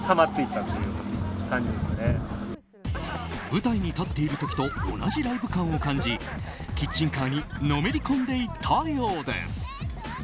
舞台に立っている時と同じライブ感を感じキッチンカーにのめり込んでいったようです。